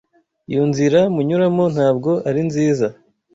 Iyo nzira munyuramo ntabwo ari nziza;